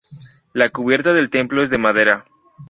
La cubierta del templo es de madera.